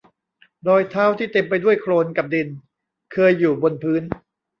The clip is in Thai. รอยเท้าที่เต็มไปด้วยโคลนกับดินเคยอยู่บนพื้น